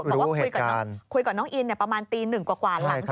บอกว่าคุยกับน้องอินประมาณตีหนึ่งกว่า